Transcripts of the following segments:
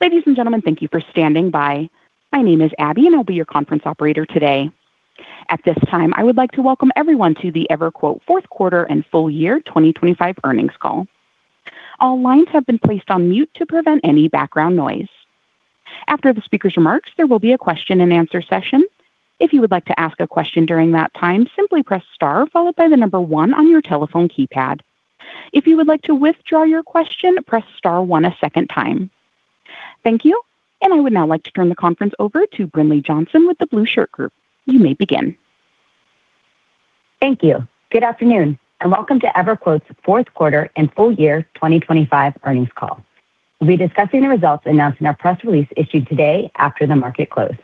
Ladies and gentlemen, thank you for standing by. My name is Abby, and I'll be your conference operator today. At this time, I would like to welcome everyone to the EverQuote fourth quarter and full year 2025 earnings call. All lines have been placed on mute to prevent any background noise. After the speaker's remarks, there will be a question-and-answer session. If you would like to ask a question during that time, simply press star followed by one on your telephone keypad. If you would like to withdraw your question, press star one a second time. Thank you. I would now like to turn the conference over to Brinlea Johnson with The Blueshirt Group. You may begin. Thank you. Good afternoon, and welcome to EverQuote's fourth quarter and full year 2025 earnings call. We'll be discussing the results announced in our press release issued today after the market closed.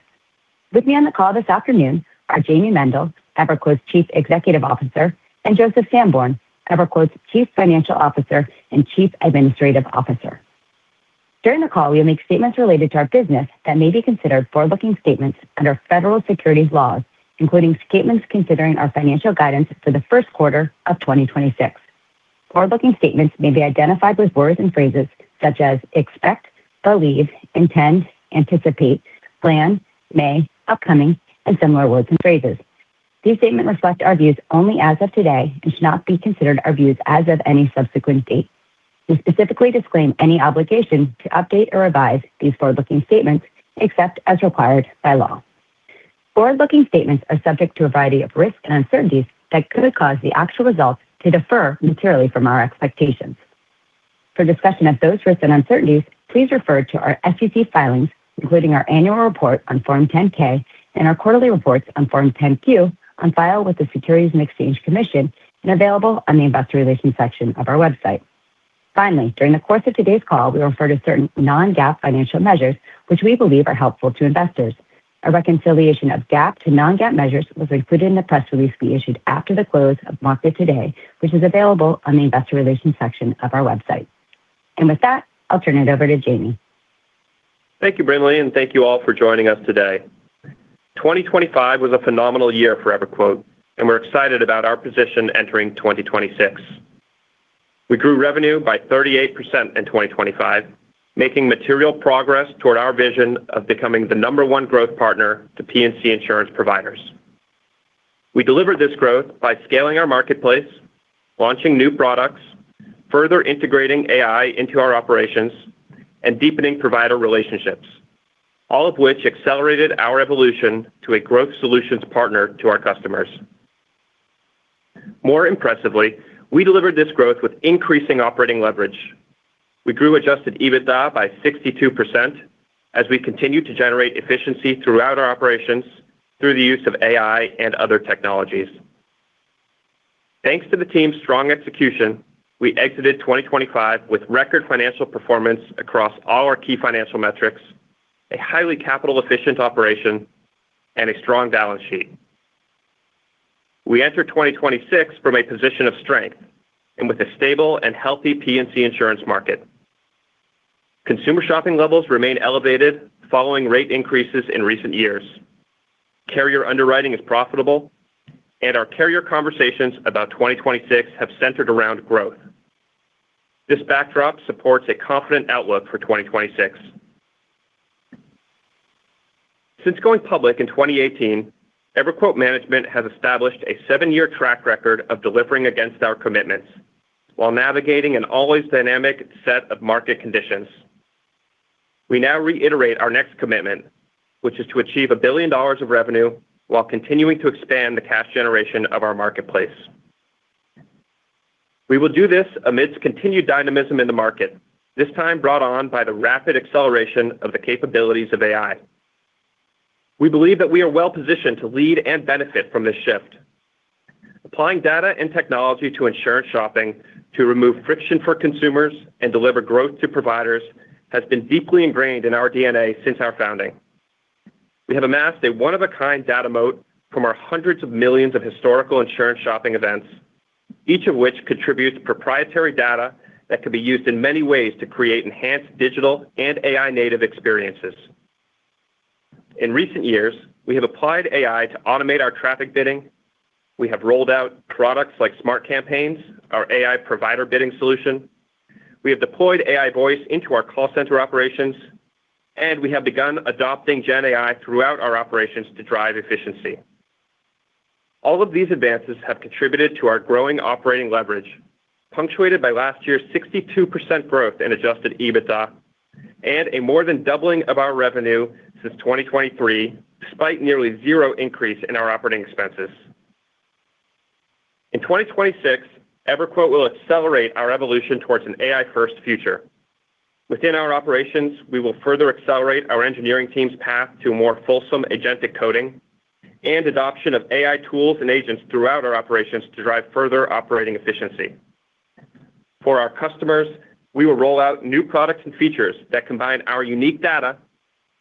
With me on the call this afternoon are Jayme Mendal, EverQuote's Chief Executive Officer, and Joseph Sanborn, EverQuote's Chief Financial Officer and Chief Administrative Officer. During the call, we'll make statements related to our business that may be considered forward-looking statements under federal securities laws, including statements considering our financial guidance for the first quarter of 2026. Forward-looking statements may be identified with words and phrases such as expect, believe, intend, anticipate, plan, may, upcoming, and similar words and phrases. These statements reflect our views only as of today and should not be considered our views as of any subsequent date. We specifically disclaim any obligation to update or revise these forward-looking statements except as required by law. Forward-looking statements are subject to a variety of risks and uncertainties that could cause the actual results to differ materially from our expectations. For discussion of those risks and uncertainties, please refer to our SEC filings, including our annual report on Form 10-K and our quarterly reports on Form 10-Q, on file with the Securities and Exchange Commission, and available on the Investor Relations section of our website. Finally, during the course of today's call, we refer to certain non-GAAP financial measures, which we believe are helpful to investors. A reconciliation of GAAP to non-GAAP measures was included in the press release we issued after the close of market today, which is available on the Investor Relations section of our website. With that, I'll turn it over to Jayme. Thank you, Brinlea, and thank you all for joining us today. 2025 was a phenomenal year for EverQuote, and we're excited about our position entering 2026. We grew revenue by 38% in 2025, making material progress toward our vision of becoming the number one growth partner to P&C insurance providers. We delivered this growth by scaling our marketplace, launching new products, further integrating AI into our operations, and deepening provider relationships, all of which accelerated our evolution to a growth solutions partner to our customers. More impressively, we delivered this growth with increasing operating leverage. We grew Adjusted EBITDA by 62% as we continued to generate efficiency throughout our operations through the use of AI and other technologies. Thanks to the team's strong execution, we exited 2025 with record financial performance across all our key financial metrics, a highly capital-efficient operation, and a strong balance sheet. We enter 2026 from a position of strength and with a stable and healthy P&C insurance market. Consumer shopping levels remain elevated following rate increases in recent years. Carrier underwriting is profitable, and our carrier conversations about 2026 have centered around growth. This backdrop supports a confident outlook for 2026. Since going public in 2018, EverQuote management has established a seven-year track record of delivering against our commitments while navigating an always dynamic set of market conditions. We now reiterate our next commitment, which is to achieve $1 billion of revenue while continuing to expand the cash generation of our marketplace. We will do this amidst continued dynamism in the market, this time brought on by the rapid acceleration of the capabilities of AI. We believe that we are well-positioned to lead and benefit from this shift. Applying data and technology to insurance shopping to remove friction for consumers and deliver growth to providers has been deeply ingrained in our DNA since our founding. We have amassed a one-of-a-kind data moat from our hundreds of millions of historical insurance shopping events, each of which contributes proprietary data that could be used in many ways to create enhanced digital and AI-native experiences. In recent years, we have applied AI to automate our traffic bidding, we have rolled out products like Smart Campaigns, our AI provider bidding solution, we have deployed AI Voice into our call center operations, and we have begun adopting GenAI throughout our operations to drive efficiency. All of these advances have contributed to our growing operating leverage, punctuated by last year's 62% growth in Adjusted EBITDA and a more than doubling of our revenue since 2023, despite nearly 0 increase in our operating expenses. In 2026, EverQuote will accelerate our evolution towards an AI-first future. Within our operations, we will further accelerate our engineering team's path to a more fulsome agentic coding and adoption of AI tools and agents throughout our operations to drive further operating efficiency. For our customers, we will roll out new products and features that combine our unique data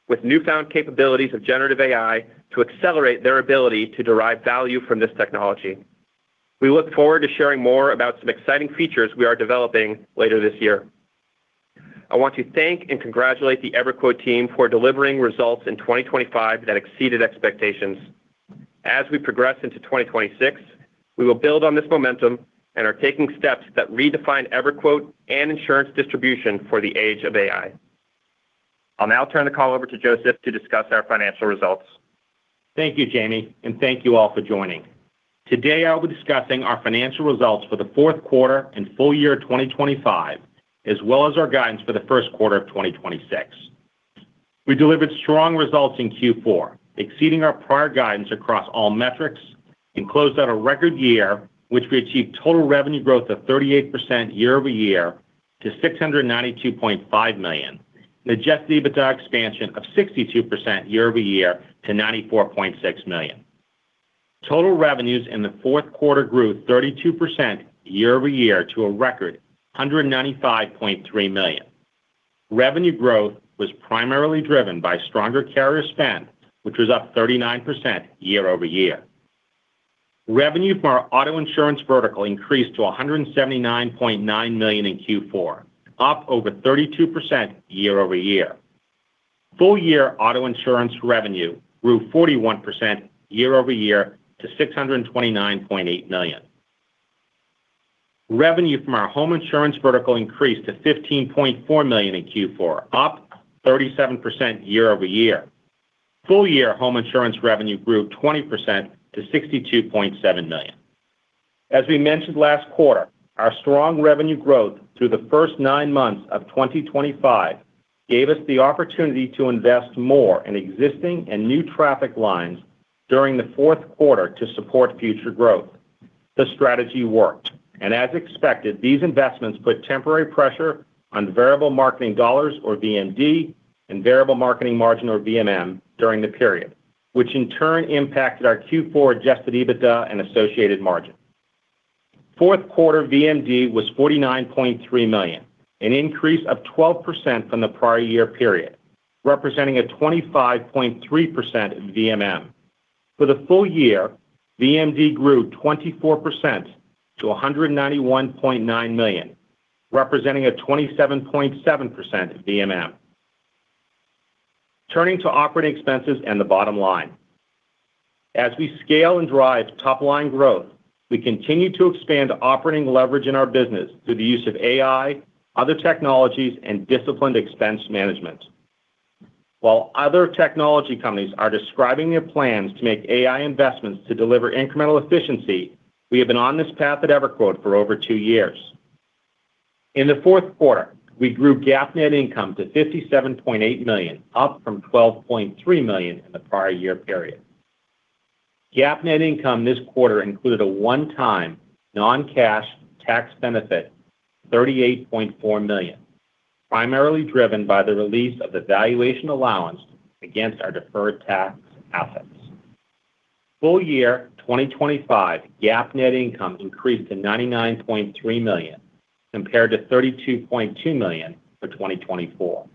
with newfound capabilities of generative AI to accelerate their ability to derive value from this technology. We look forward to sharing more about some exciting features we are developing later this year. I want to thank and congratulate the EverQuote team for delivering results in 2025 that exceeded expectations. As we progress into 2026, we will build on this momentum and are taking steps that redefine EverQuote and insurance distribution for the age of AI. I'll now turn the call over to Joseph to discuss our financial results. Thank you, Jayme, and thank you all for joining. Today, I'll be discussing our financial results for the fourth quarter and full year 2025, as well as our guidance for the first quarter of 2026. We delivered strong results in Q4, exceeding our prior guidance across all metrics, and closed out a record year, which we achieved total revenue growth of 38% year-over-year to $692.5 million, and Adjusted EBITDA expansion of 62% year-over-year to $94.6 million. Total revenues in the fourth quarter grew 32% year-over-year to a record $195.3 million. Revenue growth was primarily driven by stronger carrier spend, which was up 39% year-over-year. Revenue from our auto insurance vertical increased to $179.9 million in Q4, up over 32% year-over-year. Full year auto insurance revenue grew 41% year-over-year to $629.8 million. Revenue from our home insurance vertical increased to $15.4 million in Q4, up 37% year-over-year. Full year home insurance revenue grew 20% to $62.7 million. As we mentioned last quarter, our strong revenue growth through the first nine months of 2025 gave us the opportunity to invest more in existing and new traffic lines during the fourth quarter to support future growth. The strategy worked, as expected, these investments put temporary pressure on variable marketing dollars, or VMD, and variable marketing margin, or VMM, during the period, which in turn impacted our Q4 Adjusted EBITDA and associated margin. Fourth quarter VMD was $49.3 million, an increase of 12% from the prior year period, representing a 25.3% VMM. For the full year, VMD grew 24% to $191.9 million, representing a 27.7% VMM. Turning to operating expenses and the bottom line. As we scale and drive top-line growth, we continue to expand operating leverage in our business through the use of AI, other technologies, and disciplined expense management. While other technology companies are describing their plans to make AI investments to deliver incremental efficiency, we have been on this path at EverQuote for over two years. In the fourth quarter, we grew GAAP net income to $57.8 million, up from $12.3 million in the prior year period. GAAP net income this quarter included a one-time non-cash tax benefit, $38.4 million, primarily driven by the release of the valuation allowance against our deferred tax assets. Full year 2025, GAAP net income increased to $99.3 million, compared to $32.2 million for 2024.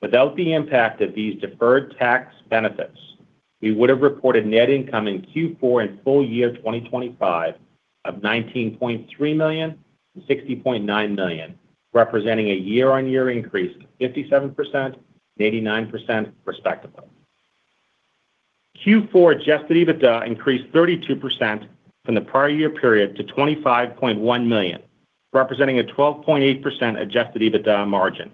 Without the impact of these deferred tax benefits, we would have reported net income in Q4 and full year 2025 of $19.3 million and $60.9 million, representing a year-on-year increase of 57% and 89% respectively. Q4 Adjusted EBITDA increased 32% from the prior year period to $25.1 million, representing a 12.8% Adjusted EBITDA margin.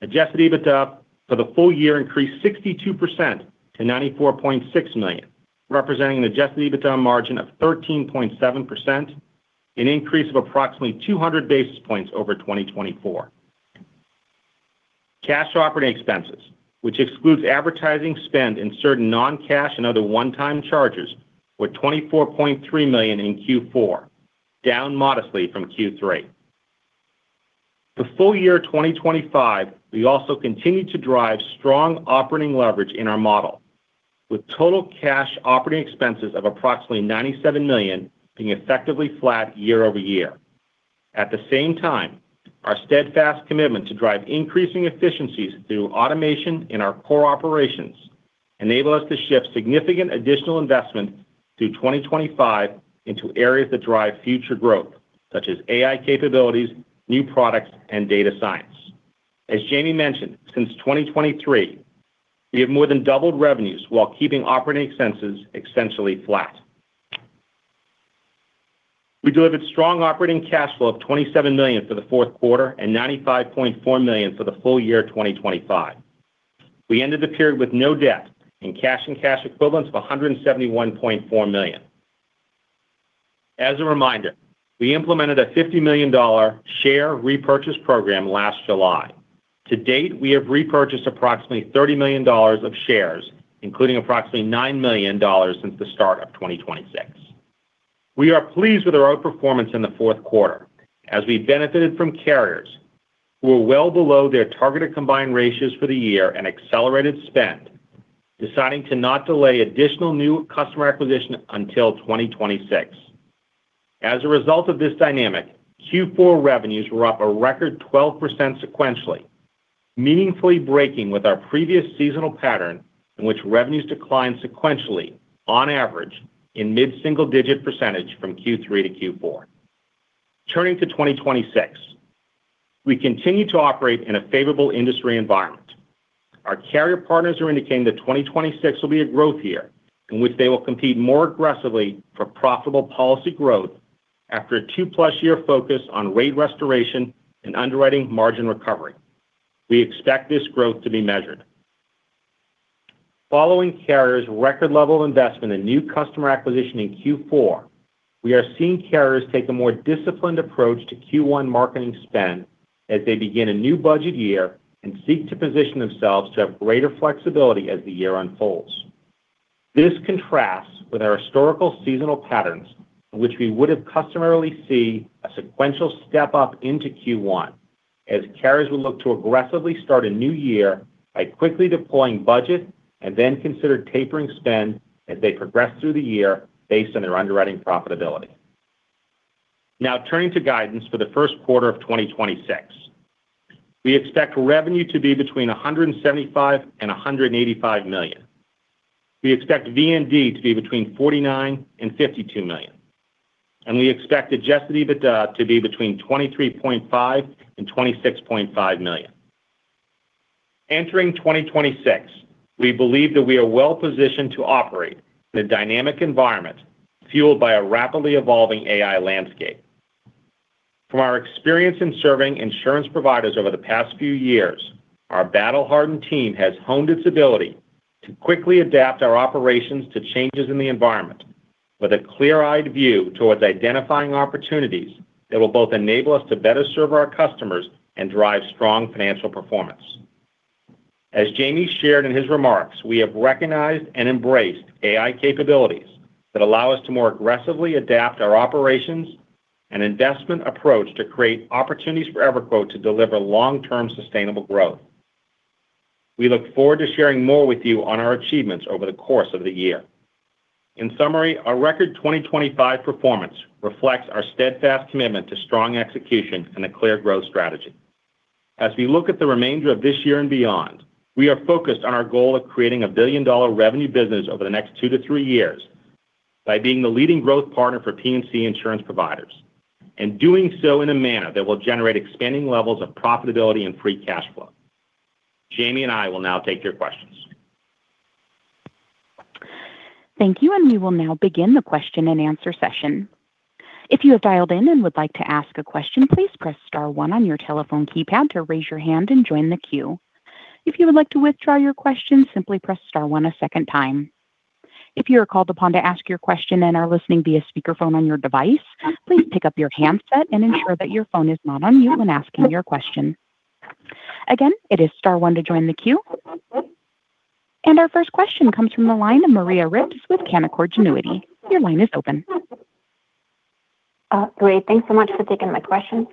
Adjusted EBITDA for the full year increased 62% to $94.6 million, representing an Adjusted EBITDA margin of 13.7%, an increase of approximately 200 basis points over 2024. Cash operating expenses, which excludes advertising spend and certain non-cash and other one-time charges, were $24.3 million in Q4, down modestly from Q3. The full year 2025, we also continued to drive strong operating leverage in our model, with total cash operating expenses of approximately $97 million being effectively flat year-over-year. At the same time, our steadfast commitment to drive increasing efficiencies through automation in our core operations enable us to shift significant additional investment through 2025 into areas that drive future growth, such as AI capabilities, new products, and data science. As Jayme mentioned, since 2023, we have more than doubled revenues while keeping operating expenses essentially flat. We delivered strong operating cash flow of $27 million for the 4th quarter and $95.4 million for the full year 2025. We ended the period with no debt and cash and cash equivalents of $171.4 million. As a reminder, we implemented a $50 million share repurchase program last July. To date, we have repurchased approximately $30 million of shares, including approximately $9 million since the start of 2026. We are pleased with our outperformance in the 4th quarter, as we benefited from carriers who are well below their targeted combined ratios for the year and accelerated spend, deciding to not delay additional new customer acquisition until 2026. As a result of this dynamic, Q4 revenues were up a record 12% sequentially, meaningfully breaking with our previous seasonal pattern, in which revenues declined sequentially on average in mid-single digit % from Q3 to Q4. Turning to 2026. We continue to operate in a favorable industry environment. Our carrier partners are indicating that 2026 will be a growth year in which they will compete more aggressively for profitable policy growth after a two-plus year focus on rate restoration and underwriting margin recovery. We expect this growth to be measured. Following carriers' record level investment in new customer acquisition in Q4, we are seeing carriers take a more disciplined approach to Q1 marketing spend as they begin a new budget year and seek to position themselves to have greater flexibility as the year unfolds. This contrasts with our historical seasonal patterns, in which we would have customarily see a sequential step up into Q1 as carriers will look to aggressively start a new year by quickly deploying budget and then consider tapering spend as they progress through the year based on their underwriting profitability. Turning to guidance for the first quarter of 2026. We expect revenue to be between $175 million and $185 million. We expect VMD to be between $49 million and $52 million, and we expect Adjusted EBITDA to be between $23.5 million and $26.5 million. Entering 2026, we believe that we are well positioned to operate in a dynamic environment, fueled by a rapidly evolving AI landscape. From our experience in serving insurance providers over the past few years, our battle-hardened team has honed its ability to quickly adapt our operations to changes in the environment with a clear-eyed view towards identifying opportunities that will both enable us to better serve our customers and drive strong financial performance. As Jayme shared in his remarks, we have recognized and embraced AI capabilities that allow us to more aggressively adapt our operations and investment approach to create opportunities for EverQuote to deliver long-term sustainable growth. We look forward to sharing more with you on our achievements over the course of the year. In summary, our record 2025 performance reflects our steadfast commitment to strong execution and a clear growth strategy. As we look at the remainder of this year and beyond, we are focused on our goal of creating a billion-dollar revenue business over the next two-three years by being the leading growth partner for P&C insurance providers, and doing so in a manner that will generate expanding levels of profitability and free cash flow. Jayme Mendal and I will now take your questions. Thank you. We will now begin the question-and-answer session. If you have dialed in and would like to ask a question, please press star one on your telephone keypad to raise your hand and join the queue. If you would like to withdraw your question, simply press star one a second time. If you are called upon to ask your question and are listening via speakerphone on your device, please pick up your handset and ensure that your phone is not on mute when asking your question. Again, it is star one to join the queue. Our first question comes from the line of Maria Ripps with Canaccord Genuity. Your line is open. Great. Thanks so much for taking my question.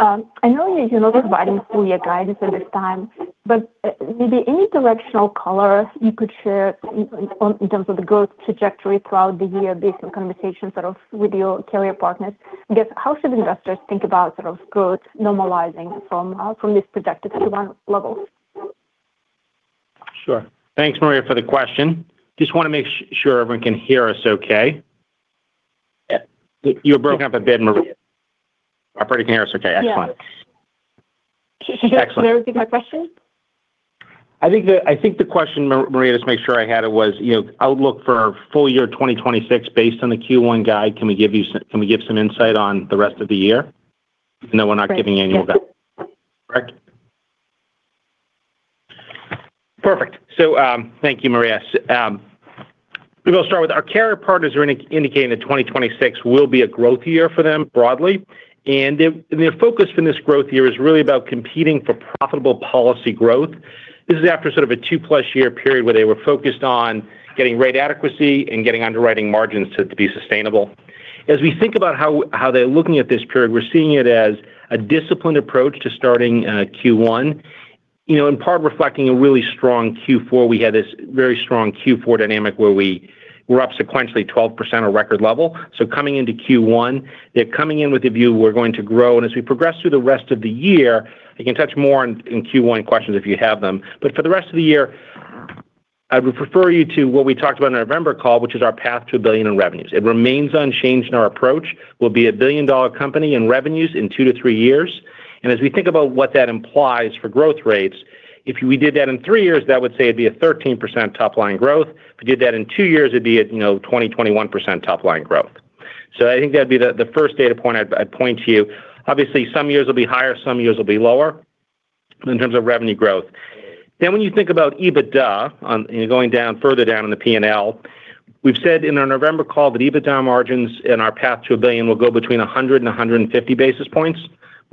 I know you're not providing full year guidance at this time, but maybe any directional color you could share in, in terms of the growth trajectory throughout the year based on conversations sort of with your carrier partners? I guess, how should investors think about sort of growth normalizing from this projected Q1 level? Sure. Thanks, Maria, for the question. Just want to make sure everyone can hear us okay. You're broken up a bit, Maria. I pray you can hear us okay. Excellent. Yeah. Excellent. Can you repeat my question? I think the, I think the question, Maria, just make sure I had it, was, you know, outlook for our full year 2026 based on the Q1 guide. Can we give some insight on the rest of the year? Even though we're not giving annual guide. Yes. Correct? Perfect. Thank you, Maria. We will start with our carrier partners are indicating that 2026 will be a growth year for them broadly, and the focus from this growth year is really about competing for profitable policy growth. This is after sort of a two plus year period where they were focused on getting rate adequacy and getting underwriting margins to be sustainable. As we think about how they're looking at this period, we're seeing it as a disciplined approach to starting Q1, you know, in part reflecting a really strong Q4. We had this very strong Q4 dynamic where we were up sequentially 12% a record level. Coming into Q1, they're coming in with the view we're going to grow. As we progress through the rest of the year, I can touch more on, in Q1 questions if you have them, but for the rest of the year, I would refer you to what we talked about in our November call, which is our path to $1 billion in revenues. It remains unchanged in our approach. We'll be a billion-dollar company in revenues in two-three years. As we think about what that implies for growth rates, if we did that in three years, that would say it'd be a 13% top line growth. If we did that in two years, it'd be a, you know, 20%-21% top line growth. I think that'd be the, the first data point I'd, I'd point to you. Obviously, some years will be higher, some years will be lower in terms of revenue growth. When you think about EBITDA, and going down, further down in the PNL, we've said in our November call that EBITDA margins in our path to $1 billion will go between 100 and 150 basis points.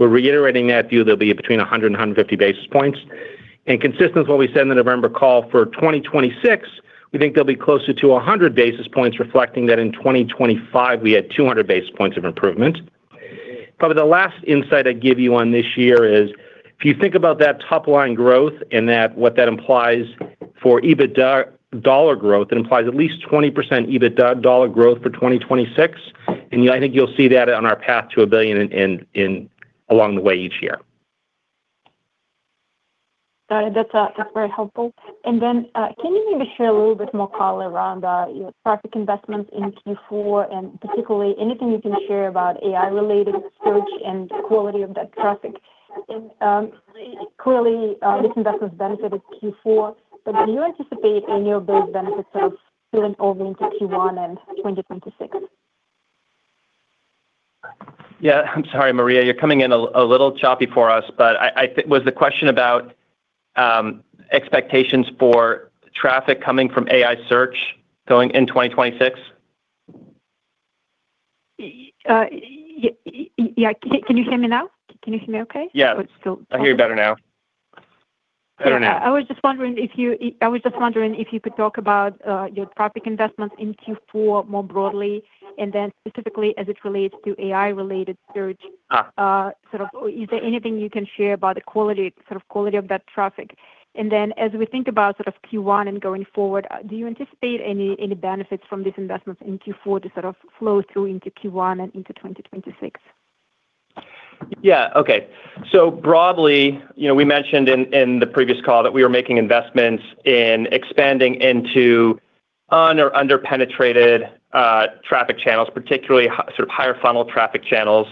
We're reiterating that view, they'll be between 100 and 150 basis points. Consistent with what we said in the November call, for 2026, we think they'll be closer to 100 basis points, reflecting that in 2025 we had 200 basis points of improvement. Probably the last insight I'd give you on this year is, if you think about that top line growth and that, what that implies for EBITDA dollar growth, it implies at least 20% EBITDA dollar growth for 2026, and I think you'll see that on our path to $1 billion in, in, in along the way each year. That's, that's very helpful. Then, can you maybe share a little bit more color around, your traffic investments in Q4, and particularly anything you can share about AI-related search and quality of that traffic? Clearly, this investment benefited Q4, but do you anticipate any of those benefits sort of spilling over into Q1 and 2026? Yeah, I'm sorry, Maria, you're coming in a little choppy for us, but I, I think. Was the question about expectations for traffic coming from AI search going in 2026? Yeah. Can you hear me now? Can you hear me okay? Yeah. It's still. I hear you better now. Better now. Yeah, I was just wondering if you could talk about your traffic investments in Q4 more broadly, and then specifically as it relates to AI-related search? Ah. Sort of, is there anything you can share about the quality, sort of, quality of that traffic? As we think about sort of Q1 and going forward, do you anticipate any, any benefits from these investments in Q4 to sort of flow through into Q1 and into 2026? Yeah. Okay. Broadly, you know, we mentioned in, in the previous call that we were making investments in expanding into un- or under-penetrated traffic channels, particularly sort of, higher funnel traffic channels,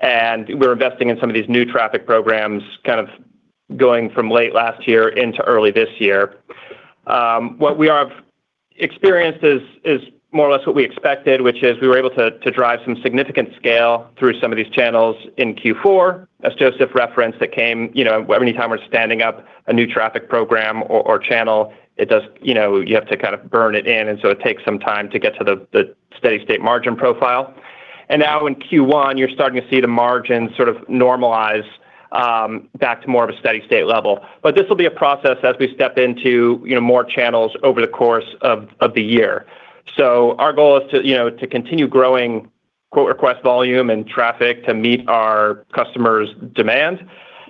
and we're investing in some of these new traffic programs, kind of going from late last year into early this year. What we have experienced is, is more or less what we expected, which is we were able to, to drive some significant scale through some of these channels in Q4. As Joseph referenced, that came... You know, anytime we're standing up a new traffic program or, or channel, it does. You know, you have to kind of burn it in, and so it takes some time to get to the, the steady state margin profile. Now in Q1, you're starting to see the margin sort of normalize back to more of a steady state level. This will be a process as we step into, you know, more channels over the course of the year. Our goal is to, you know, to continue growing, quote, request volume and traffic to meet our customers' demand.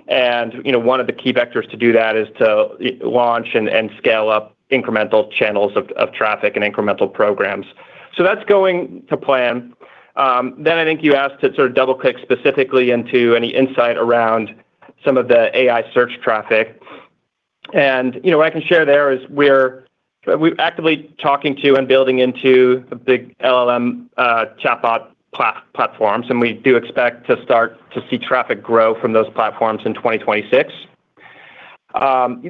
You know, one of the key vectors to do that is to launch and scale up incremental channels of traffic and incremental programs. That's going to plan. Then I think you asked to sort of double-click specifically into any insight around some of the AI search traffic. You know, what I can share there is we're actively talking to and building into the big LLM chatbot platforms, and we do expect to start to see traffic grow from those platforms in 2026.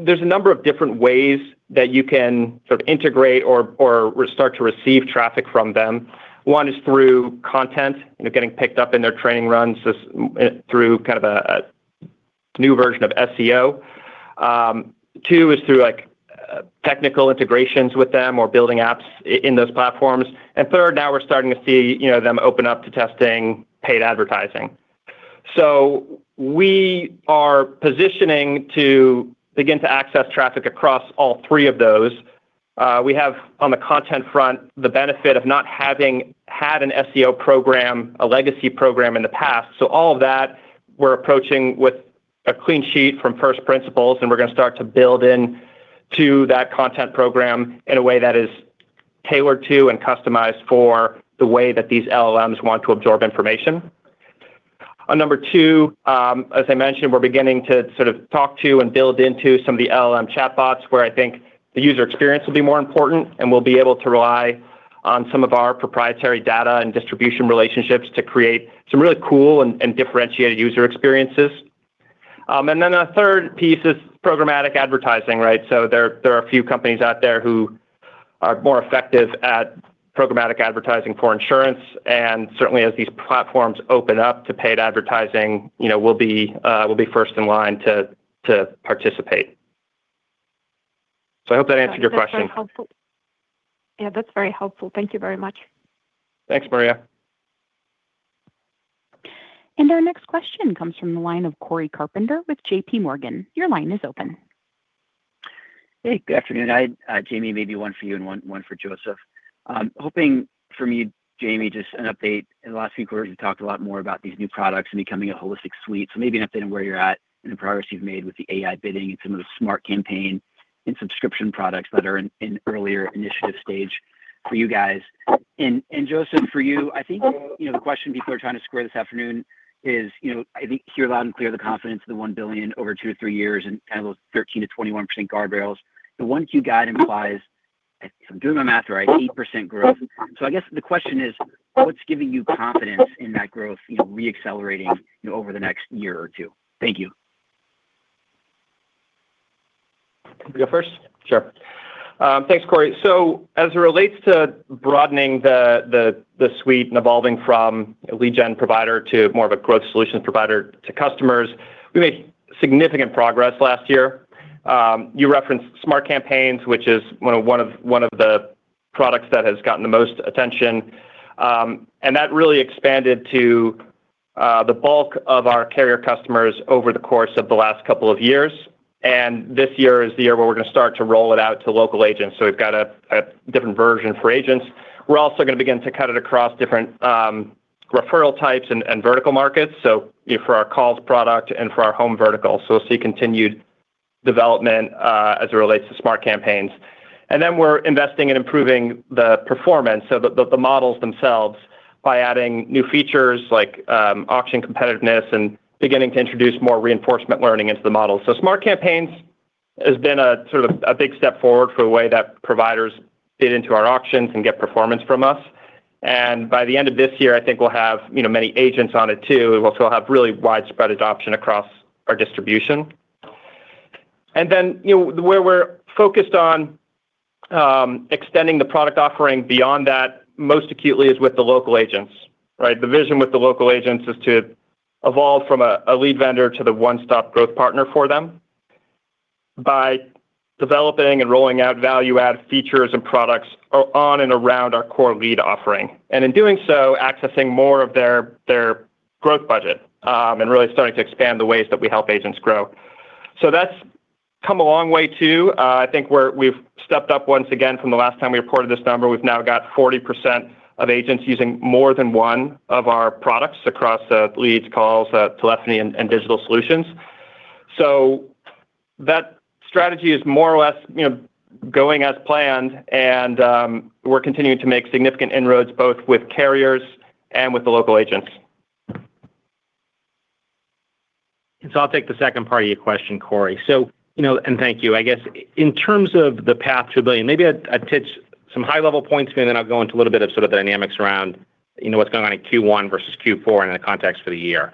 There's a number of different ways that you can sort of integrate or start to receive traffic from them. One is through content, you know, getting picked up in their training runs, so, through kind of a new version of SEO. two, is through, like, technical integrations with them or building apps in those platforms. third, now we're starting to see, you know, them open up to testing paid advertising. We are positioning to begin to access traffic across all three of those. We have, on the content front, the benefit of not having had an SEO program, a legacy program in the past. All of that, we're approaching with a clean sheet from first principles, and we're going to start to build in to that content program in a way that is tailored to and customized for the way that these LLMs want to absorb information. On number two, as I mentioned, we're beginning to sort of talk to and build into some of the LLM chatbots, where I think the user experience will be more important, and we'll be able to rely on some of our proprietary data and distribution relationships to create some really cool and, and differentiated user experiences. Then the third piece is programmatic advertising, right? There, there are a few companies out there who are more effective at programmatic advertising for insurance, and certainly as these platforms open up to paid advertising, you know, we'll be, we'll be first in line to, to participate. I hope that answered your question. That's very helpful. Yeah, that's very helpful. Thank you very much. Thanks, Maria. Our next question comes from the line of Cory Carpenter with J.P. Morgan. Your line is open. Hey, good afternoon. I, Jamie, maybe one for you and one, one for Joseph. I'm hoping for me, Jamie, just an update. In the last few quarters, you talked a lot more about these new products and becoming a holistic suite. Maybe an update on where you're at and the progress you've made with the AI bidding and some of the Smart Campaigns and subscription products that are in, in earlier initiative stage for you guys. Joseph, for you, I think, you know, the question people are trying to square this afternoon is, you know, I think hear loud and clear the confidence of the $1 billion over two to three years and kind of those 13%-21% guardrails. The 1Q guide implies, if I'm doing my math right, 8% growth. I guess the question is: What's giving you confidence in that growth, you know, re-accelerating, you know, over the next year or two? Thank you. Can I go first? Sure. Thanks, Cory. As it relates to broadening the, the, the suite and evolving from a lead gen provider to more of a growth solution provider to customers, we made significant progress last year. You referenced Smart Campaigns, which is one of, one of, one of the products that has gotten the most attention. That really expanded to the bulk of our carrier customers over the course of the last couple of years, and this year is the year where we're going to start to roll it out to local agents. We've got a, a different version for agents. We're also going to begin to cut it across different referral types and, and vertical markets, so, you know, for our calls product and for our home vertical. We'll see continued development, as it relates to Smart Campaigns. We're investing in improving the performance of the, the, the models themselves by adding new features like, auction competitiveness and beginning to introduce more reinforcement learning into the model. Smart Campaigns has been a sort of a big step forward for the way that providers fit into our auctions and get performance from us. By the end of this year, I think we'll have, you know, many agents on it too, and we'll still have really widespread adoption across our distribution. You know, where we're focused on, extending the product offering beyond that, most acutely is with the local agents, right? The vision with the local agents is to evolve from a, a lead vendor to the one-stop growth partner for them by developing and rolling out value-add features and products on and around our core lead offering, and in doing so, accessing more of their, their growth budget, and really starting to expand the ways that we help agents grow. That's come a long way, too. I think we've stepped up once again from the last time we reported this number. We've now got 40% of agents using more than one of our products across leads, calls, telephony, and digital solutions. That strategy is more or less, you know, going as planned, and we're continuing to make significant inroads, both with carriers and with the local agents. So I'll take the second part of your question, Corey. You know, thank you. I guess in terms of the path to $1 billion, maybe I'd, I'd pitch some high-level points, then I'll go into a little bit of sort of the dynamics around, you know, what's going on in Q1 versus Q4 and in the context for the year.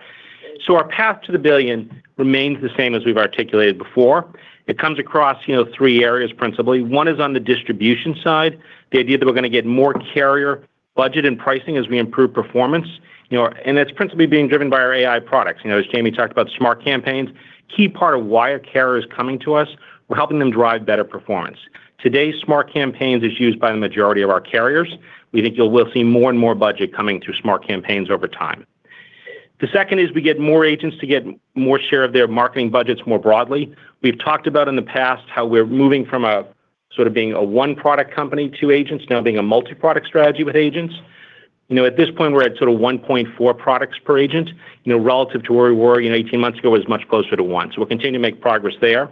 Our path to the $1 billion remains the same as we've articulated before. It comes across, you know, three areas, principally. One is on the distribution side, the idea that we're gonna get more carrier budget and pricing as we improve performance, you know, it's principally being driven by our AI products. You know, as Jayme talked about Smart Campaigns, key part of why a carrier is coming to us, we're helping them drive better performance. Today, Smart Campaigns is used by the majority of our carriers. We think we'll see more and more budget coming through Smart Campaigns over time. The second is we get more agents to get more share of their marketing budgets more broadly. We've talked about in the past how we're moving from a sort of being a one-product company to agents, now being a multi-product strategy with agents. You know, at this point, we're at sort of 1.4 products per agent, you know, relative to where we were, you know, 18 months ago, it was much closer to 1. We're continuing to make progress there.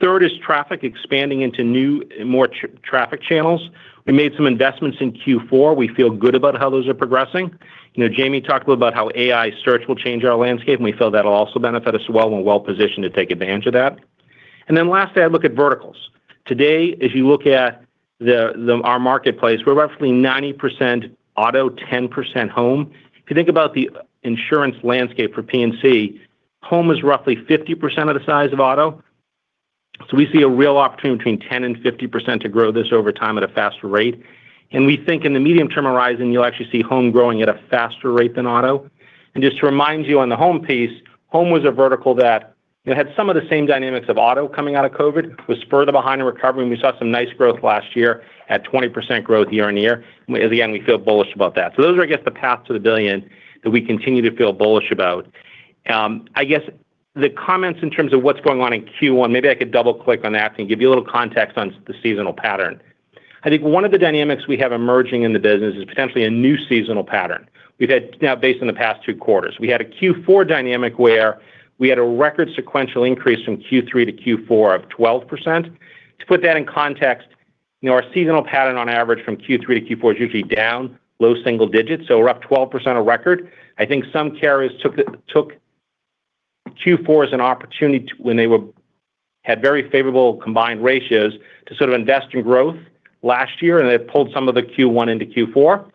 Third is traffic expanding into new, more traffic channels. We made some investments in Q4. We feel good about how those are progressing. You know, Jayme talked a little about how AI search will change our landscape, and we feel that'll also benefit us well. We're well-positioned to take advantage of that. Then lastly, I'd look at verticals. Today, if you look at our marketplace, we're roughly 90% auto, 10% home. If you think about the insurance landscape for P&C, home is roughly 50% of the size of auto, so we see a real opportunity between 10%-50% to grow this over time at a faster rate. We think in the medium-term horizon, you'll actually see home growing at a faster rate than auto. Just to remind you on the home piece, home was a vertical that, you know, had some of the same dynamics of auto coming out of COVID, was further behind in recovery, and we saw some nice growth last year at 20% growth year-on-year. At the end, we feel bullish about that. Those are, I guess, the path to the billion that we continue to feel bullish about. I guess the comments in terms of what's going on in Q1, maybe I could double-click on that and give you a little context on the seasonal pattern. I think one of the dynamics we have emerging in the business is potentially a new seasonal pattern. We've had now, based on the past two quarters, we had a Q4 dynamic where we had a record sequential increase from Q3 to Q4 of 12%. To put that in context, you know, our seasonal pattern on average from Q3 to Q4 is usually down, low single digits. We're up 12% of record. I think some carriers took Q4 as an opportunity to when they were had very favorable combined ratios to sort of invest in growth last year, they pulled some of the Q1 into Q4.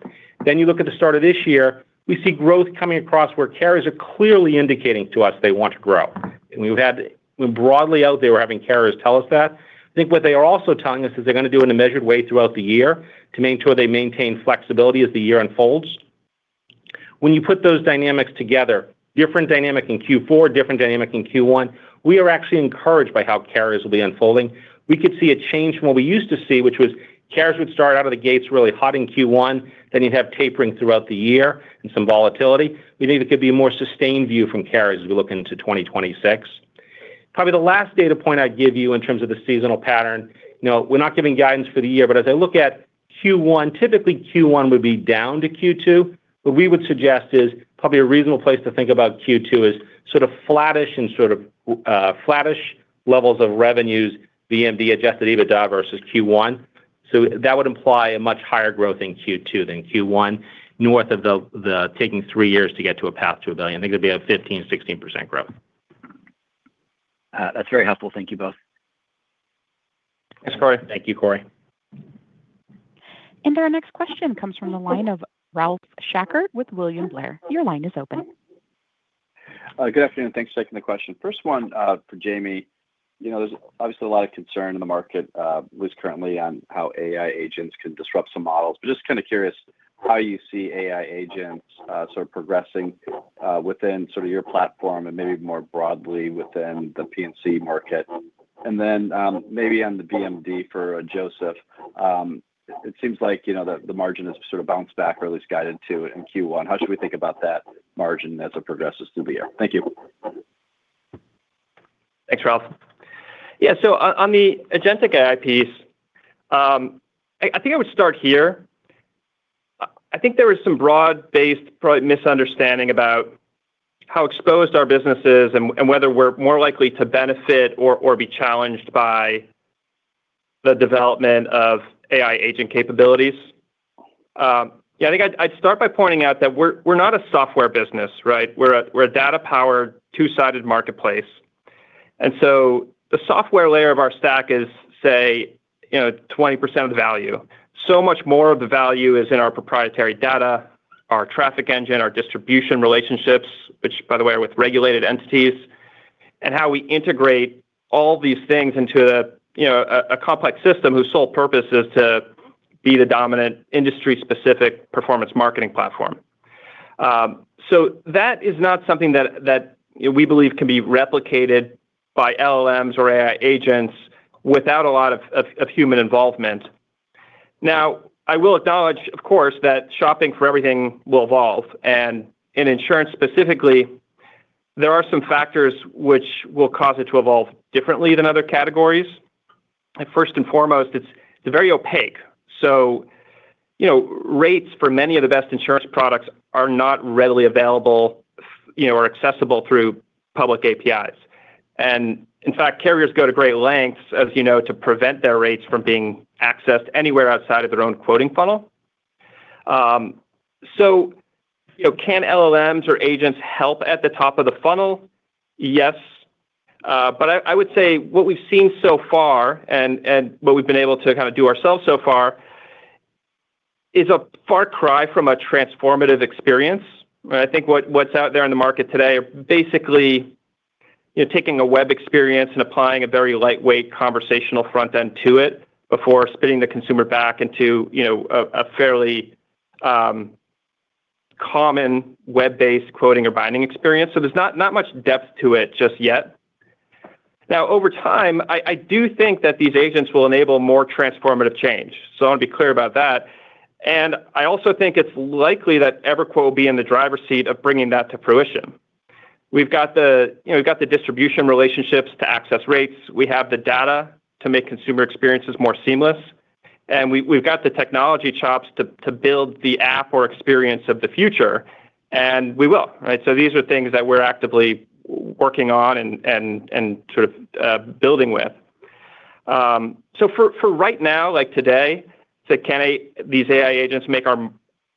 You look at the start of this year, we see growth coming across where carriers are clearly indicating to us they want to grow. We're broadly out there we're having carriers tell us that. I think what they are also telling us is they're gonna do in a measured way throughout the year to make sure they maintain flexibility as the year unfolds. When you put those dynamics together, different dynamic in Q4, different dynamic in Q1, we are actually encouraged by how carriers will be unfolding. We could see a change from what we used to see, which was carriers would start out of the gates really hot in Q1, then you'd have tapering throughout the year and some volatility. We think it could be a more sustained view from carriers as we look into 2026. Probably the last data point I'd give you in terms of the seasonal pattern, you know, we're not giving guidance for the year, but as I look at Q1, typically Q1 would be down to Q2. What we would suggest is probably a reasonable place to think about Q2 is sort of flattish and sort of, flattish levels of revenues, VMD, Adjusted EBITDA versus Q1. That would imply a much higher growth in Q2 than Q1, north of the the taking three years to get to a path to $1 billion. I think it would be a 15%, 16% growth. That's very helpful. Thank you both. Thanks, Cory. Thank you, Cory. Our next question comes from the line of Ralph Schackart with William Blair. Your line is open. Good afternoon. Thanks for taking the question. First one for Jayme. You know, there's obviously a lot of concern in the market, at least currently on how AI agents can disrupt some models. Just kind of curious how you see AI agents sort of progressing within sort of your platform and maybe more broadly within the P&C market. Then, maybe on the VMD for Joseph, it seems like, you know, the margin has sort of bounced back or at least guided to in Q1. How should we think about that margin as it progresses through the year? Thank you. Thanks, Ralph. On the agentic AI piece, I, I think I would start here. I think there is some broad-based probably misunderstanding about how exposed our business is and, and whether we're more likely to benefit or, or be challenged by the development of AI agent capabilities. I think I'd, I'd start by pointing out that we're, we're not a software business, right? We're a, we're a data-powered, two-sided marketplace. The software layer of our stack is, say, you know, 20% of the value. Much more of the value is in our proprietary data, our traffic engine, our distribution relationships, which, by the way, are with regulated entities, and how we integrate all these things into a, you know, a, a complex system whose sole purpose is to be the dominant industry-specific performance marketing platform. That is not something that we believe can be replicated by LLMs or AI agents without a lot of human involvement. Now, I will acknowledge, of course, that shopping for everything will evolve, and in insurance specifically, there are some factors which will cause it to evolve differently than other categories. First and foremost, it's very opaque. You know, rates for many of the best insurance products are not readily available, you know, or accessible through public APIs. In fact, carriers go to great lengths, as you know, to prevent their rates from being accessed anywhere outside of their own quoting funnel. You know, can LLMs or agents help at the top of the funnel? I, I would say what we've seen so far and, and what we've been able to kind of do ourselves so far, is a far cry from a transformative experience. I think what, what's out there in the market today are basically, you know, taking a web experience and applying a very lightweight conversational front end to it before spitting the consumer back into, you know, a, a fairly, common web-based quoting or binding experience. There's not, not much depth to it just yet. Now, over time, I, I do think that these agents will enable more transformative change, so I want to be clear about that. I also think it's likely that EverQuote will be in the driver's seat of bringing that to fruition. We've got the, you know, we've got the distribution relationships to access rates, we have the data to make consumer experiences more seamless, and we've got the technology chops to build the app or experience of the future, and we will, right? These are things that we're actively working on and sort of building with. For right now, like today, can AI these AI agents make our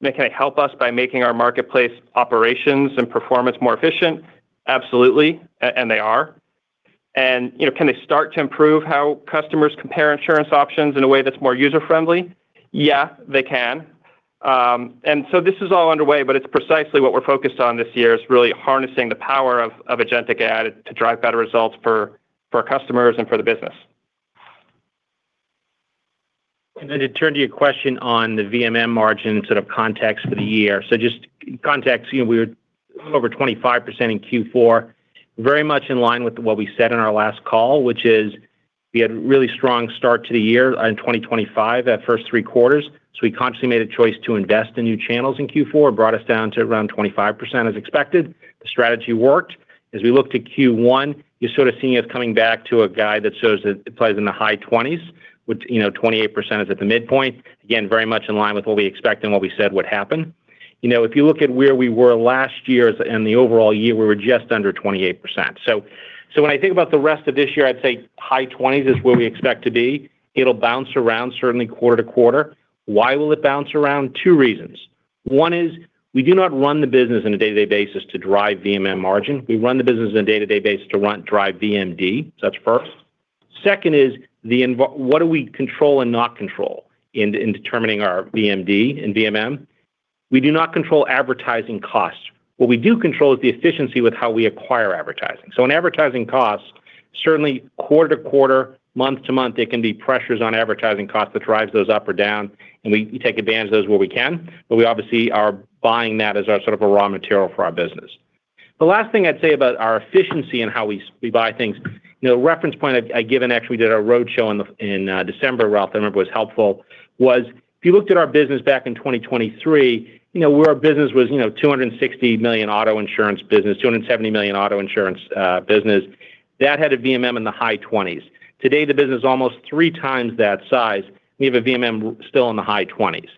can they help us by making our marketplace operations and performance more efficient? Absolutely, and they are. You know, can they start to improve how customers compare insurance options in a way that's more user-friendly? Yeah, they can. This is all underway, but it's precisely what we're focused on this year, is really harnessing the power of, of agentic AI to drive better results for, for our customers and for the business. To turn to your question on the VMM margin sort of context for the year. Just context, you know, we were over 25% in Q4, very much in line with what we said on our last call, which is we had a really strong start to the year in 2025, that first three quarters. We consciously made a choice to invest in new channels in Q4, brought us down to around 25% as expected. The strategy worked. As we look to Q1, you're sort of seeing us coming back to a guide that shows that it plays in the high 20s, which, you know, 28% is at the midpoint. Again, very much in line with what we expect and what we said would happen. You know, if you look at where we were last year's and the overall year, we were just under 28%. When I think about the rest of this year, I'd say high 20s is where we expect to be. It'll bounce around, certainly quarter to quarter. Why will it bounce around? Two reasons. One is we do not run the business on a day-to-day basis to drive VMM margin. We run the business on a day-to-day basis to drive VMD. That's first. Second is the what do we control and not control in, in determining our VMD and VMM? We do not control advertising costs. What we do control is the efficiency with how we acquire advertising. In advertising costs, certainly quarter to quarter, month to month, there can be pressures on advertising costs that drives those up or down, and we take advantage of those where we can, but we obviously are buying that as our sort of a raw material for our business. The last thing I'd say about our efficiency and how we buy things, you know, the reference point I, I gave, and actually we did a roadshow in December, Ralph, I remember it was helpful, was if you looked at our business back in 2023, you know, where our business was, you know, $260 million auto insurance business, $270 million auto insurance business, that had a VMM in the high 20s. Today, the business is almost three times that size, we have a VMM still in the high 20s.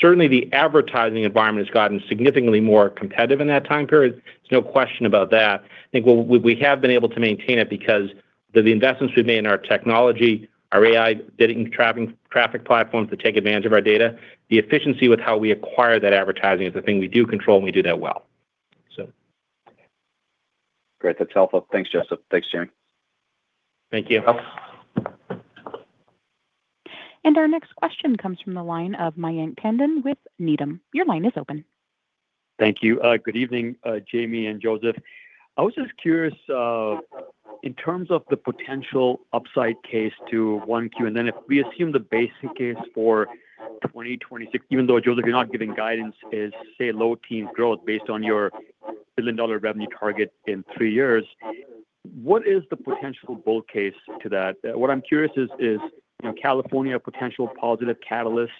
Certainly, the advertising environment has gotten significantly more competitive in that time period. There's no question about that. I think we have been able to maintain it because the investments we've made in our technology, our AI, driving traffic, traffic platforms to take advantage of our data, the efficiency with how we acquire that advertising is the thing we do control, and we do that well. Great. That's helpful. Thanks, Joseph. Thanks, Jayme. Thank you. Our next question comes from the line of Mayank Tandon with Needham. Your line is open. Thank you. Good evening, Jayme and Joseph. I was just curious, in terms of the potential upside case to 1Q, and then if we assume the basic case for 2026, even though, Joseph, you're not giving guidance, is, say, low-teens growth based on your $1 billion revenue target in three years, what is the potential bull case to that? What I'm curious is, is, you know, California a potential positive catalyst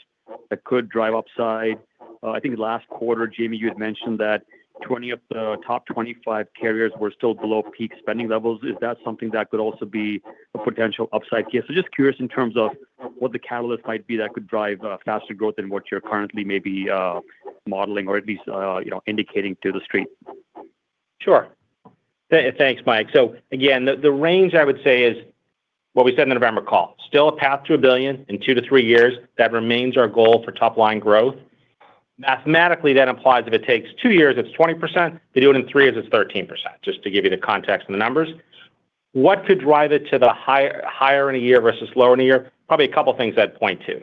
that could drive upside. I think last quarter, Jayme, you had mentioned that 20 of the top 25 carriers were still below peak spending levels. Is that something that could also be a potential upside here? Just curious in terms of what the catalyst might be that could drive faster growth than what you're currently maybe modeling or at least, you know, indicating to the street. Sure. Thanks, Mike. Again, the range I would say is what we said in the November call, still a path to $1 billion in two-three years. That remains our goal for top-line growth. Mathematically, that implies if it takes two years, it's 20%; if you do it in three years, it's 13%, just to give you the context and the numbers. What could drive it to the higher, higher in a year versus lower in a year? Probably a couple of things I'd point to.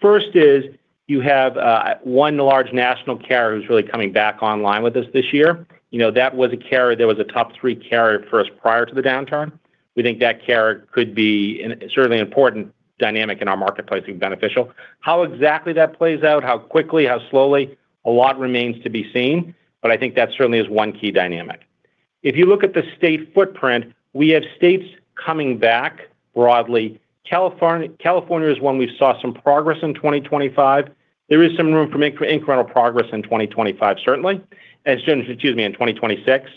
First is you have one large national carrier who's really coming back online with us this year. You know, that was a carrier that was a top three carrier for us prior to the downturn. We think that carrier could be an certainly important dynamic in our marketplace and beneficial. How exactly that plays out, how quickly, how slowly, a lot remains to be seen, but I think that certainly is one key dynamic. If you look at the state footprint, we have states coming back broadly. California is one we saw some progress in 2025. There is some room for incremental progress in 2025, certainly, excuse me, in 2026.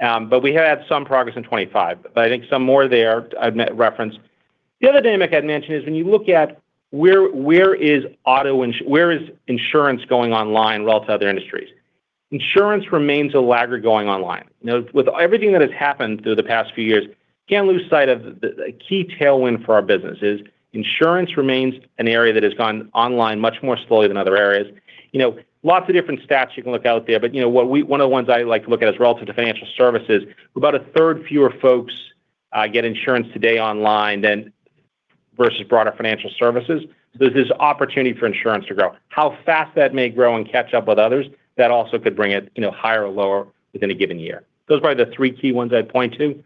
We have had some progress in 2025, but I think some more there, I've met referenced. The other dynamic I'd mention is when you look at where, where is auto, where is insurance going online relative to other industries? Insurance remains a laggard going online. With everything that has happened through the past few years, can't lose sight of the, the key tailwind for our business is insurance remains an area that has gone online much more slowly than other areas. You know, lots of different stats you can look out there, but, you know, what we-- one of the ones I like to look at is relative to financial services. About 1/3 fewer folks get insurance today online than versus broader financial services. There's this opportunity for insurance to grow. How fast that may grow and catch up with others, that also could bring it, you know, higher or lower within a given year. Those are the three key ones I'd point to.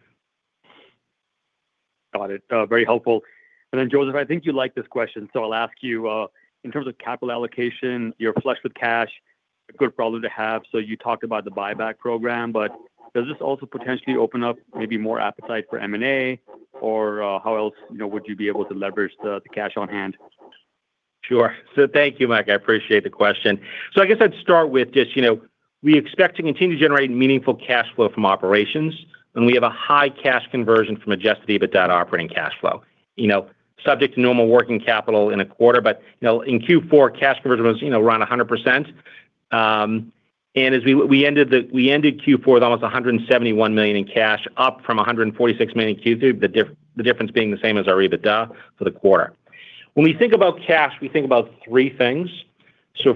Got it. very helpful. Joseph, I think you like this question, so I'll ask you. In terms of capital allocation, you're flush with cash, a good problem to have. You talked about the buyback program, but does this also potentially open up maybe more appetite for M&A, or, how else, you know, would you be able to leverage the, the cash on hand? Sure. Thank you, Mike. I appreciate the question. I guess I'd start with just, you know, we expect to continue to generate meaningful cash flow from operations, and we have a high cash conversion from Adjusted EBITDA operating cash flow. You know, subject to normal working capital in a quarter, but, you know, in Q4, cash conversion was, you know, around 100%. And as we, we ended Q4 with almost $171 million in cash, up from $146 million in Q3. The difference being the same as our EBITDA for the quarter. When we think about cash, we think about three things.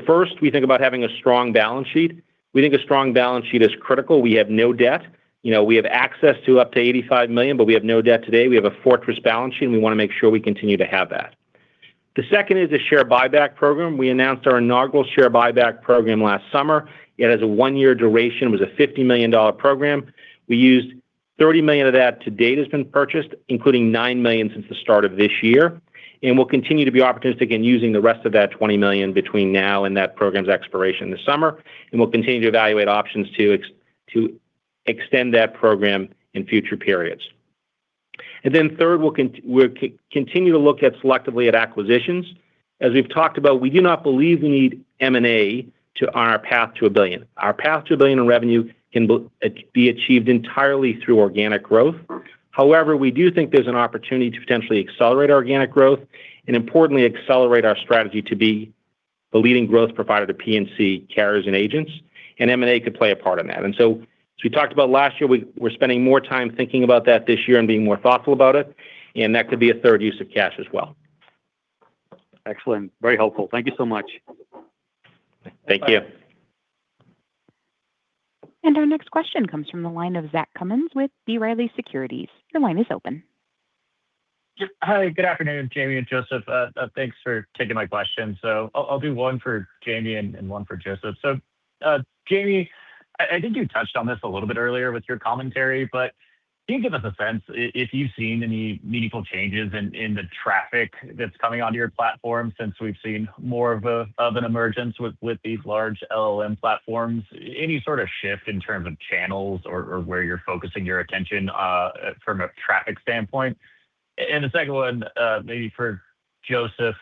First, we think about having a strong balance sheet. We think a strong balance sheet is critical. We have no debt. You know, we have access to up to $85 million, but we have no debt today. We have a fortress balance sheet, and we want to make sure we continue to have that. The second is the share buyback program. We announced our inaugural share buyback program last summer. It has a one-year duration, it was a $50 million program. We used $30 million of that to date has been purchased, including $9 million since the start of this year. We'll continue to be opportunistic in using the rest of that $20 million between now and that program's expiration this summer, we'll continue to evaluate options to extend that program in future periods. Third, we'll continue to look at selectively at acquisitions. As we've talked about, we do not believe we need M&A to on our path to a $1 billion. Our path to $1 billion in revenue can be achieved entirely through organic growth. However, we do think there's an opportunity to potentially accelerate organic growth, and importantly, accelerate our strategy to be the leading growth provider to P&C carriers and agents, and M&A could play a part in that. So as we talked about last year, we're spending more time thinking about that this year and being more thoughtful about it, and that could be a third use of cash as well. Excellent. Very helpful. Thank you so much. Thank you. Our next question comes from the line of Zach Cummins with B. Riley Securities. Your line is open. Yep. Hi, good afternoon, Jayme and Joseph. Thanks for taking my question. I'll, I'll do one for Jayme and, and one for Joseph. Jayme, I, I think you touched on this a little bit earlier with your commentary, but can you give us a sense if you've seen any meaningful changes in, in the traffic that's coming onto your platform since we've seen more of a, of an emergence with, with these large LLM platforms? Any sort of shift in terms of channels or, or where you're focusing your attention from a traffic standpoint? The second one, maybe for Joseph: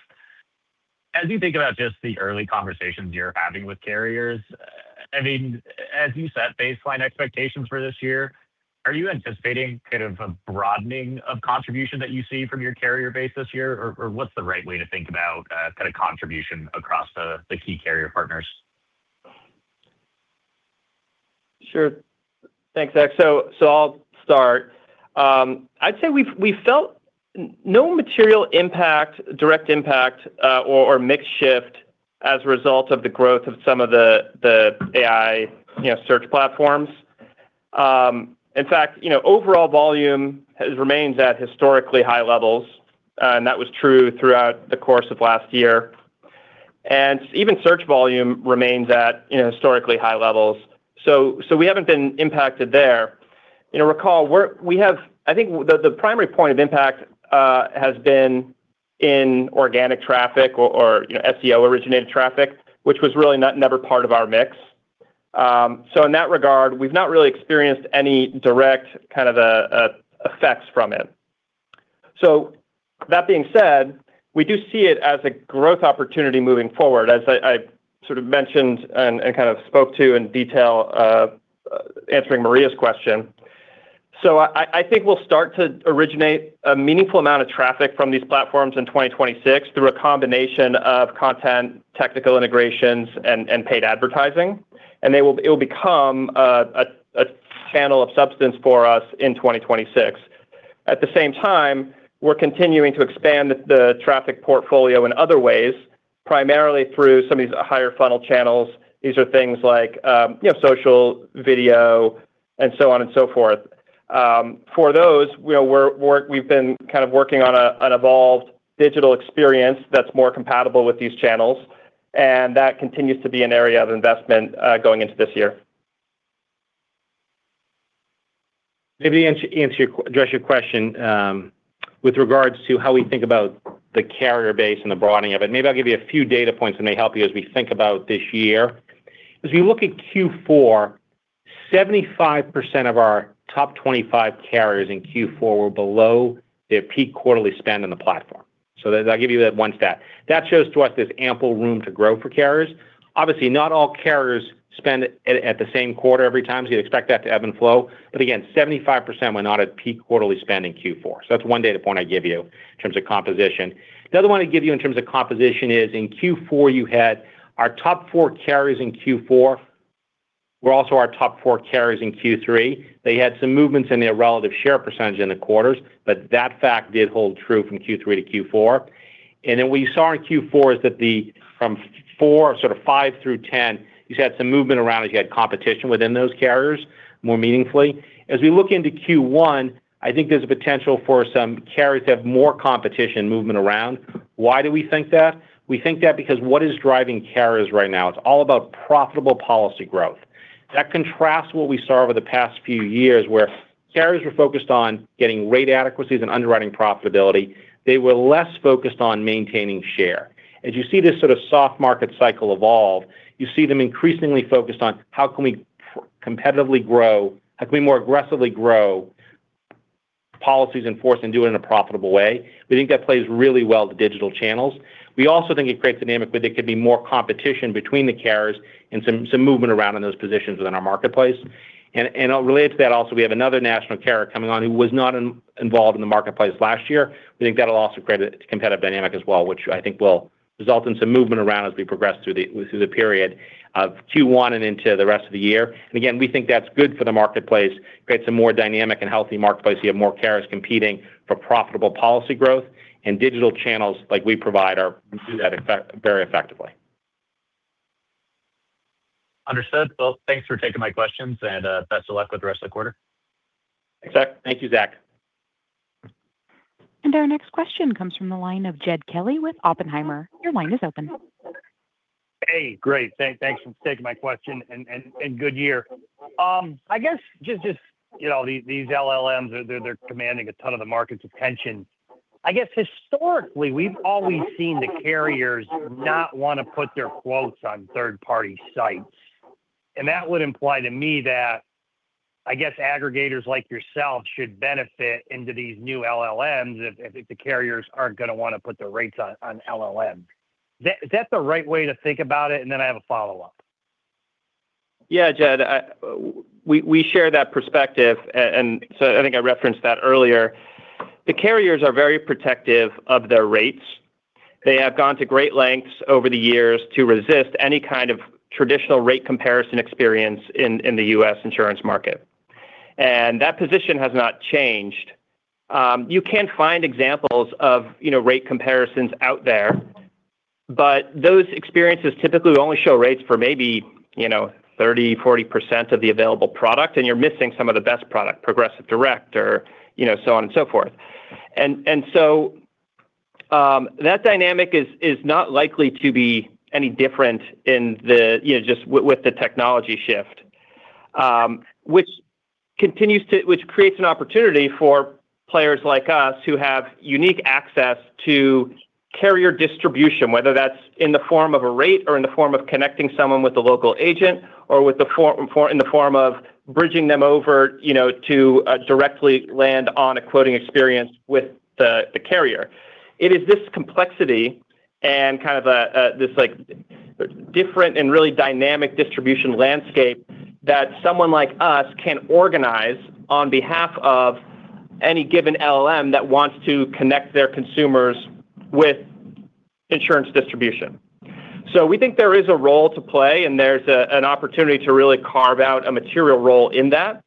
as you think about just the early conversations you're having with carriers, I mean, as you set baseline expectations for this year, are you anticipating kind of a broadening of contribution that you see from your carrier base this year? What's the right way to think about kind of contribution across the key carrier partners? Sure. Thanks, Zach. So I'll start. I'd say we've, we've felt no material impact, direct impact, or mix shift as a result of the growth of some of the, the AI, you know, search platforms. In fact, you know, overall volume has remains at historically high levels, and that was true throughout the course of last year. Even search volume remains at, you know, historically high levels. So we haven't been impacted there. You know, recall, I think the, the primary point of impact has been in organic traffic or, or, you know, SEO-originated traffic, which was really never part of our mix. So in that regard, we've not really experienced any direct kind of effects from it. That being said, we do see it as a growth opportunity moving forward, as I, I sort of mentioned and, and kind of spoke to in detail, answering Maria's question. I, I think we'll start to originate a meaningful amount of traffic from these platforms in 2026 through a combination of content, technical integrations, and paid advertising. It will become a channel of substance for us in 2026. At the same time, we're continuing to expand the traffic portfolio in other ways, primarily through some of these higher funnel channels. These are things like, you know, social, video, and so on and so forth. For those, we're, we've been kind of working on an evolved digital experience that's more compatible with these channels, and that continues to be an area of investment going into this year. Maybe to answer, answer your, address your question, with regards to how we think about the carrier base and the broadening of it. Maybe I'll give you a few data points that may help you as we think about this year. As we look at Q4, 75% of our top 25 carriers in Q4 were below their peak quarterly spend on the platform. That, I'll give you that one stat. That shows to us there's ample room to grow for carriers. Obviously, not all carriers spend it at, at the same quarter every time, so you'd expect that to ebb and flow. Again, 75% were not at peak quarterly spend in Q4. That's one data point I'd give you in terms of composition. The other one I'd give you in terms of composition is in Q4, you had our top four carriers in Q4 were also our top four carriers in Q3. They had some movements in their relative share percentage in the quarters, but that fact did hold true from Q3 to Q4. What we saw in Q4 is that the, from four, sort of five through 10, you had some movement around as you had competition within those carriers more meaningfully. As we look into Q1, I think there's a potential for some carriers to have more competition movement around. Why do we think that? We think that because what is driving carriers right now? It's all about profitable policy growth. That contrasts what we saw over the past few years, where carriers were focused on getting rate adequacies and underwriting profitability. They were less focused on maintaining share. As you see this sort of soft market cycle evolve, you see them increasingly focused on: How can we competitively grow? How can we more aggressively grow policies in force and do it in a profitable way? We think that plays really well to digital channels. We also think it creates dynamic, where there could be more competition between the carriers and some, some movement around in those positions within our marketplace. Related to that, also, we have another national carrier coming on who was not involved in the marketplace last year. We think that'll also create a competitive dynamic as well, which I think will result in some movement around as we progress through the period of Q1 and into the rest of the year. Again, we think that's good for the marketplace. Create some more dynamic and healthy marketplace. You have more carriers competing for profitable policy growth, and digital channels like we provide we do that effect, very effectively. Understood. Well, thanks for taking my questions, and best of luck with the rest of the quarter. Thanks, Zach. Thank you, Zach. Our next question comes from the line of Jed Kelly with Oppenheimer. Your line is open. Hey, great. Thanks for taking my question, and good year. I guess just, you know, these, these LLMs, they're, they're commanding a ton of the market's attention. I guess historically, we've always seen the carriers not want to put their quotes on third-party sites, and that would imply to me that, I guess, aggregators like yourself should benefit into these new LLMs if, if the carriers aren't going to want to put their rates on, on LLMs. Is that, is that the right way to think about it? Then I have a follow-up. Yeah, Jed, I, we, we share that perspective. So I think I referenced that earlier. The carriers are very protective of their rates. They have gone to great lengths over the years to resist any kind of traditional rate comparison experience in, in the U.S. insurance market, and that position has not changed. You can find examples of, you know, rate comparisons out there, but those experiences typically only show rates for maybe, you know, 30%, 40% of the available product, and you're missing some of the best product, Progressive, direct, or, you know, so on and so forth. That dynamic is, is not likely to be any different in the, you know, just with, with the technology shift, which continues which creates an opportunity for players like us who have unique access to carrier distribution, whether that's in the form of a rate or in the form of connecting someone with a local agent or with the form, in the form of bridging them over, you know, to directly land on a quoting experience with the carrier. It is this complexity and kind of this, like, different and really dynamic distribution landscape that someone like us can organize on behalf of any given LLM that wants to connect their consumers with insurance distribution. We think there is a role to play, and there's an opportunity to really carve out a material role in that,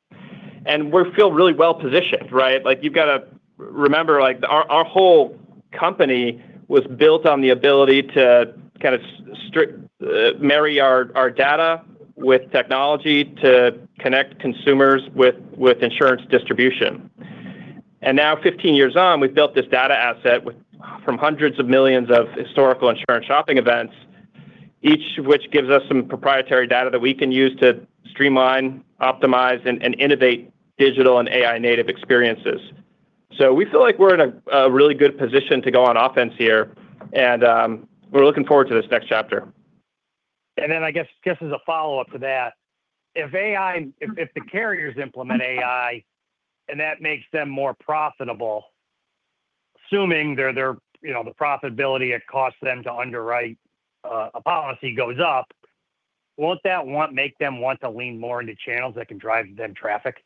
and we feel really well positioned, right? Like, you've got to remember, like, our, our whole company was built on the ability to kind of marry our, our data with technology to connect consumers with insurance distribution. Now, 15 years on, we've built this data asset from hundreds of millions of historical insurance shopping events, each of which gives us some proprietary data that we can use to streamline, optimize and innovate digital and AI-native experiences. We feel like we're in a really good position to go on offense here, and we're looking forward to this next chapter. I guess, just as a follow-up to that, if AI, if the carriers implement AI, and that makes them more profitable. Assuming their, you know, the profitability it costs them to underwrite, a policy goes up, won't that make them want to lean more into channels that can drive them traffic?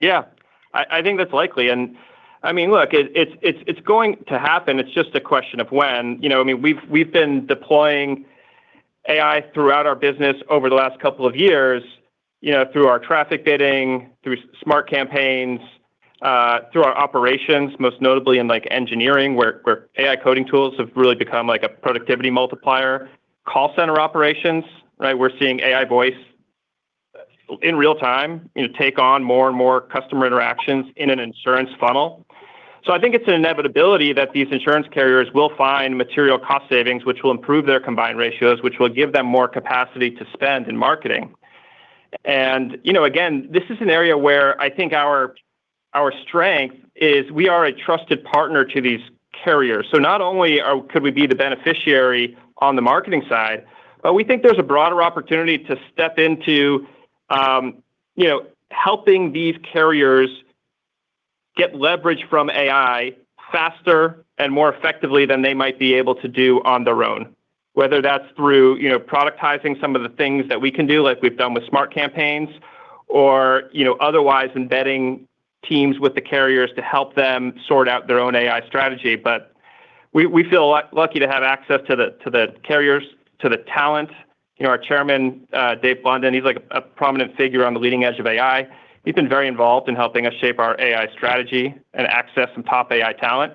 Yeah, I, I think that's likely. I mean, look, it, it's, it's, it's going to happen. It's just a question of when. You know, I mean, we've, we've been deploying AI throughout our business over the last couple of years, you know, through our traffic bidding, through Smart Campaigns, through our operations, most notably in, like, engineering, where, where AI coding tools have really become like a productivity multiplier. Call center operations, right? We're seeing AI Voice in real time, you know, take on more and more customer interactions in an insurance funnel. I think it's an inevitability that these insurance carriers will find material cost savings, which will improve their combined ratios, which will give them more capacity to spend in marketing. You know, again, this is an area where I think our, our strength is we are a trusted partner to these carriers. Not only could we be the beneficiary on the marketing side, but we think there's a broader opportunity to step into, you know, helping these carriers get leverage from AI faster and more effectively than they might be able to do on their own. Whether that's through, you know, productizing some of the things that we can do, like we've done with Smart Campaigns, or, you know, otherwise embedding teams with the carriers to help them sort out their own AI strategy. But we, we feel lucky to have access to the, to the carriers, to the talent. You know, our Chairman, David Blundin, he's like a prominent figure on the leading edge of AI. He's been very involved in helping us shape our AI strategy and access some top AI talent.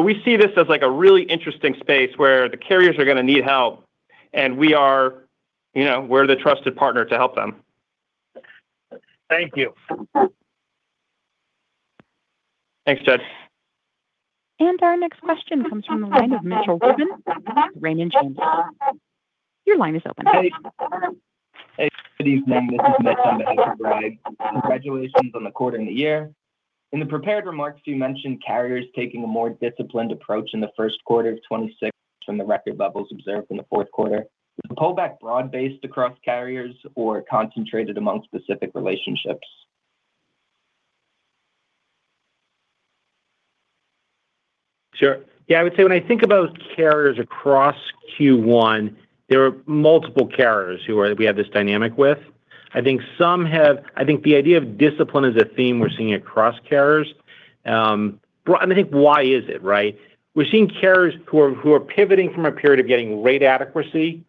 We see this as like a really interesting space where the carriers are gonna need help, and we are, you know, we're the trusted partner to help them. Thank you. Thanks, Jed. Our next question comes from the line of Mitchell Rubin with Raymond James. Your line is open. Hey. Hey, good evening, this is Mitchell from Raymond James. Congratulations on the quarter and the year. In the prepared remarks, you mentioned carriers taking a more disciplined approach in the first quarter of 2026 from the record levels observed in the fourth quarter. Is the pullback broad-based across carriers or concentrated among specific relationships? Sure. Yeah, I would say when I think about carriers across Q1, there are multiple carriers who are-- we have this dynamic with. I think some have-- I think the idea of discipline is a theme we're seeing across carriers. Well, and I think why is it, right? We're seeing carriers who are, who are pivoting from a period of getting rate adequacy,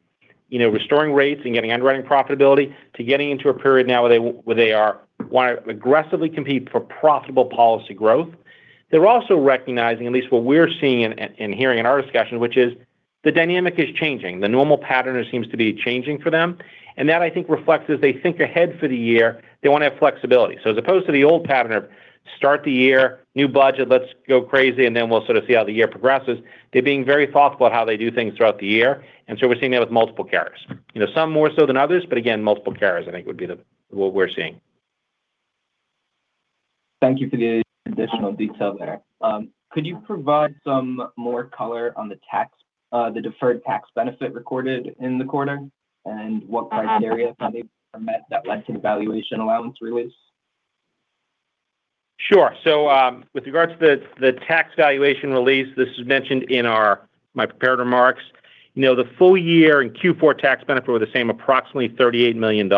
you know, restoring rates and getting underwriting profitability, to getting into a period now where they, where they are- want to aggressively compete for profitable policy growth. They're also recognizing, at least what we're seeing and, and hearing in our discussions, which is the dynamic is changing. The normal pattern seems to be changing for them, and that, I think, reflects as they think ahead for the year, they want to have flexibility. As opposed to the old pattern of start the year, new budget, let's go crazy, and then we'll sort of see how the year progresses, they're being very thoughtful about how they do things throughout the year, and so we're seeing that with multiple carriers. You know, some more so than others, but again, multiple carriers, I think, would be what we're seeing. Thank you for the additional detail there. Could you provide some more color on the tax, the deferred tax benefit recorded in the quarter, and what criteria have they met that led to the valuation allowance release? Sure. With regards to the, the tax valuation release, this is mentioned in our, my prepared remarks. You know, the full year in Q4 tax benefit were the same, approximately $38 million.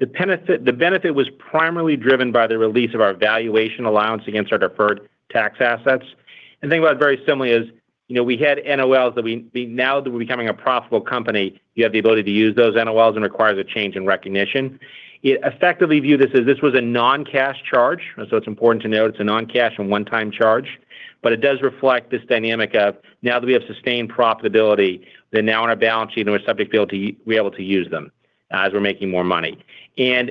The benefit was primarily driven by the release of our valuation allowance against our deferred tax assets. Think about it very similarly as, you know, we had NOLs that we now that we're becoming a profitable company, you have the ability to use those NOLs and requires a change in recognition. Effectively view this as this was a non-cash charge, so it's important to note it's a non-cash and one-time charge, but it does reflect this dynamic of now that we have sustained profitability, then now on our balance sheet, and we're subject to be able to, we able to use them as we're making more money.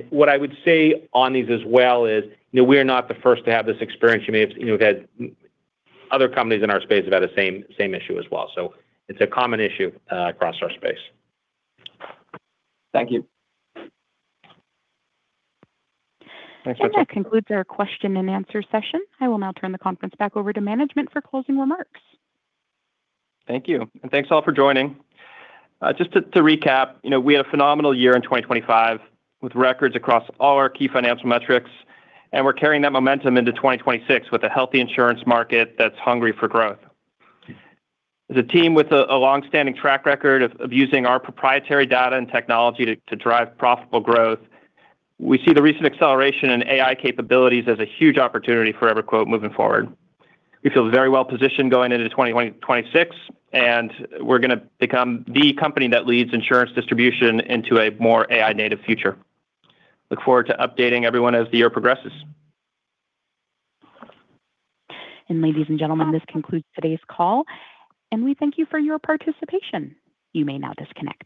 What I would say on these as well is, you know, we're not the first to have this experience. You may have, you know, other companies in our space have had the same, same issue as well, so it's a common issue, across our space. Thank you. Thanks, Mitchell. That concludes our question-and-answer session. I will now turn the conference back over to management for closing remarks. Thank you, thanks, all, for joining. Just to, to recap, you know, we had a phenomenal year in 2025, with records across all our key financial metrics, and we're carrying that momentum into 2026 with a healthy insurance market that's hungry for growth. As a team with a, a long-standing track record of, of using our proprietary data and technology to, to drive profitable growth, we see the recent acceleration in AI capabilities as a huge opportunity for EverQuote moving forward. We feel very well positioned going into 2026, and we're gonna become the company that leads insurance distribution into a more AI-native future. Look forward to updating everyone as the year progresses. Ladies and gentlemen, this concludes today's call, and we thank you for your participation. You may now disconnect.